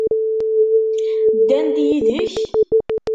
Ddan-d yid-k?